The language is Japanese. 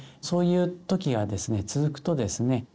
そういう時がですね続くとですね